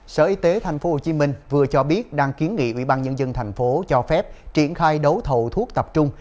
sở y tế tp hcm vừa cho biết đang kiến nghị ubnd tp cho phép triển khai đấu thầu thuốc tập trung